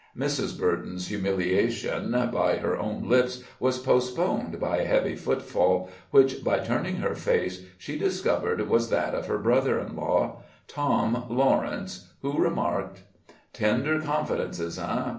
Mrs. Burton's humiliation by her own lips was postponed by a heavy footfall, which, by turning her face, she discovered was that of her brother in law, Tom Lawrence, who remarked: "Tender confidences, eh?